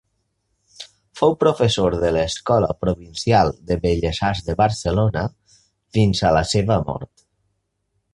Fou professor de l'Escola Provincial de Belles Arts de Barcelona fins a la seva mort.